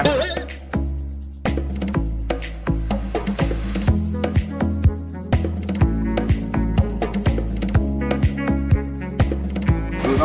เจ้าไทยโอเคเรารู้เรื่องได้